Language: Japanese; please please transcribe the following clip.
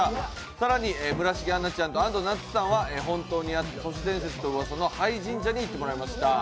更に村重杏奈さんと安藤なつさんは本当にあった都市伝説でうわさの廃神社に行ってもらいました。